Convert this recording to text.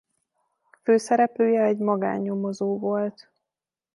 Főszereplője egy magánnyomozó volt.